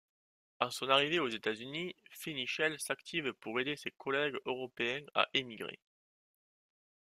À son arrivée aux États-Unis, Fenichel s'active pour aider ses collègues européens à émigrer.